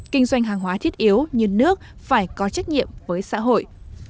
kinh doanh hàng hóa thiết yếu như nước phải có trách nhiệm với xã hội